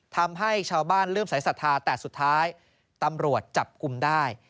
ทำให้ชาวบ้านเริ่มสายศรัทธาแต่สุดท้ายตำรวจจับกลุ่มได้